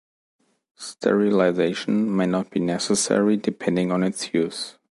Sterilization may not be necessary depending on its use.